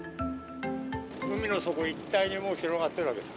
海の底一帯にもう広がっているわけです。